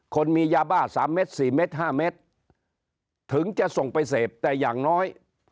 คนมียาบ้า๓เม็ด๔เม็ด๕เมตรถึงจะส่งไปเสพแต่อย่างน้อย